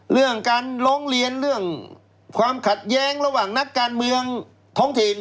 เรื่องการร้องเรียนเรื่องความขัดแย้งระหว่างนักการเมืองท้องถิ่น